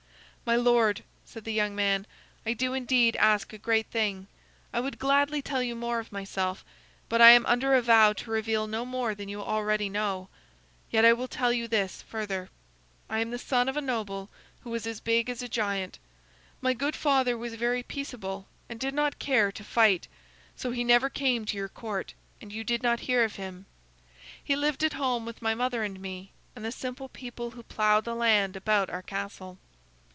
"My lord," said the young man, "I do indeed ask a great thing. I would gladly tell you more of myself, but I am under a vow to reveal no more than you already know. Yet I will tell you this, further. I am the son of a noble who was as big as a giant. My good father was very peaceable and did not care to fight; so he never came to your Court, and you did not hear of him. He lived at home with my mother and me, and the simple people who plowed the land about our castle.